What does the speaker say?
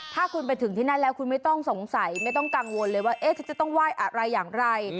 ถ้าคุณไปถึงที่นั่นแล้วคุณไม่ต้องสงสัยไม่ต้องกังวลเลยว่าฉันจะต้องไหว้อะไรอย่างไร